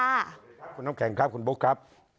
สวัสดีครับคุณน้ำแข็งครับคุณโบ๊คครับ